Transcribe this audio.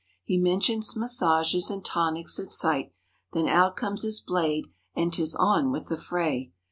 He mentions massages and tonics, at sight. Then out comes his "blade" and " 'tis on with the fray."